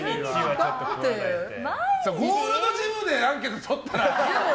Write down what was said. ゴールドジムでアンケートとったら。